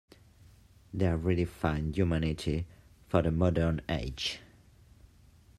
They have redefined humanity for the modern age.